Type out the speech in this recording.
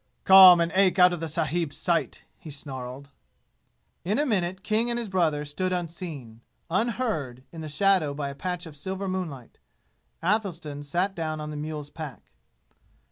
"Come and ache out of the sahibs' sight!" he snarled. In a minute King and his brother stood unseen, unheard in the shadow by a patch of silver moonlight. Athelstan sat down on the mule's pack.